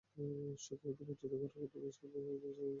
শিক্ষকদের বঞ্চিত করে কোনো দেশ কিংবা দেশের শিক্ষা এগোতে পারে না।